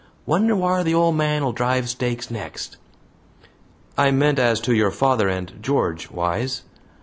Wonder whar the ole man'll drive stakes next." "I meant as to your father and George, Wise."